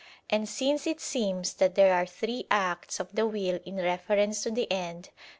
And since it seems that there are three acts of the will in reference to the end; viz.